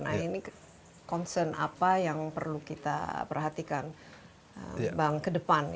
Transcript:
nah ini concern apa yang perlu kita perhatikan bang ke depan